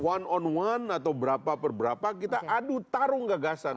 one on one atau berapa per berapa kita adu tarung gagasan